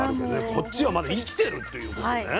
こっちはまだ生きてるっていうことね菌が。